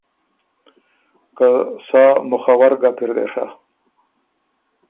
که ”سا مُخّور ګپ اِر دې ڒۀ“